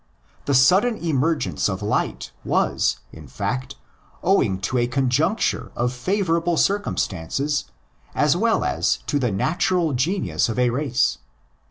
The sudden emergence of light was, in fact, owing to a conjuncture of favourable circumstances as well as to the natural genius of a race.